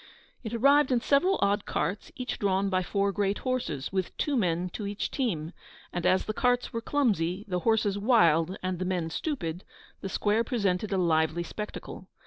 It arrived in several odd carts, each drawn by four great horses, with two men to each team; and as the carts were clumsy, the horses wild, and the men stupid, the square presented a lively spectacle.